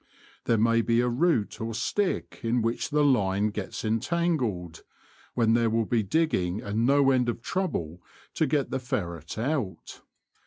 There may be a root or stick in which the line gets entangled, when there will be digging and no end of trouble to get the ferret out.